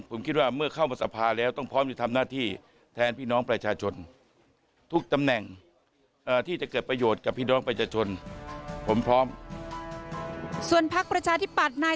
ผมคิดว่าเมื่อเข้ามาสภาแล้วต้องพร้อมจะทำหน้าที่